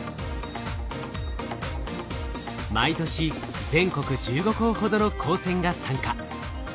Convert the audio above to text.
毎年全国１５校ほどの高専が参加。